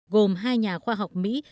gồm hai nhà khoa học mỹ